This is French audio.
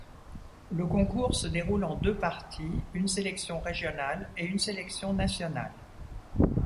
Le concours se déroule en deux parties, une sélection régionale et une sélection nationale.